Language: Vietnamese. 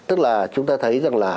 tức là chúng ta thấy rằng là